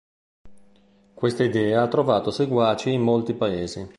Questa idea ha trovato seguaci in molti paesi.